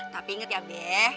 tapi inget ya be